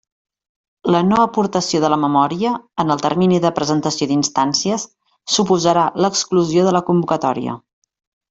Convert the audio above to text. La no-aportació de la memòria, en el termini de presentació d'instàncies, suposarà l'exclusió de la convocatòria.